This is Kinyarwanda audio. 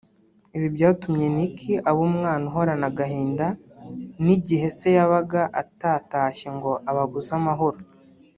Ibi byatumye Nick aba umwana uhorana agahinda n’gihe se yabaga atatashye ngo ababuze amahoro